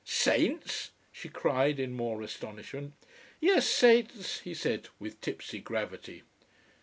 "Saints!" she cried in more astonishment. "Yes, saints," he said with tipsy gravity.